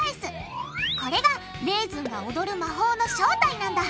これがレーズンが踊る魔法の正体なんだ。